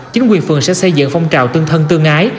chính quyền phường sẽ xây dựng phong trào tương thân tương ái